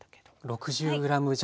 ６０ｇ弱。